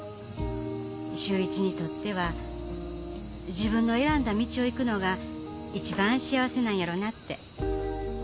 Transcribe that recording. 秀一にとっては自分の選んだ道を行くのが一番幸せなんやろなって。